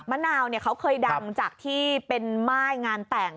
มะนาวเขาเคยดังจากที่เป็นม่ายงานแต่ง